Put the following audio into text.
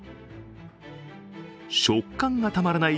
食感がたまらない